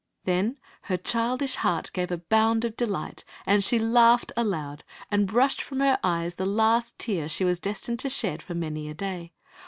Then her childish heart gave a bound of delight, and she laughed aloud and brushed from her eyes the last tear she was destined to shed for many a day.